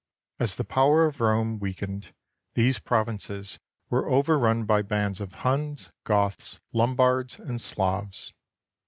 As the power of Rome weak ened, these provinces were overrun by bands of Huns, Goths, Lombards, and Slavs.